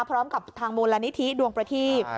พร้อมกับทางมูลนิธิดวงประทีบ